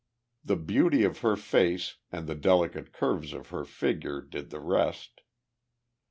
The beauty of her face and the delicate curves of her figure did the rest.